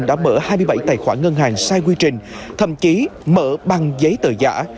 một nhân viên ngân hàng đã mở hai mươi bảy tài khoản ngân hàng sai quy trình thậm chí mở bằng giấy tờ giả